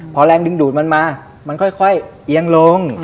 พอแรงดึงดูดมันมามันค่อยเอียงลง